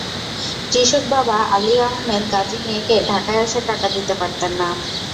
কৃষক বাবা আলী আহমেদ গাজী মেয়েকে ঢাকায় আসার টাকা দিতে পারতেন না।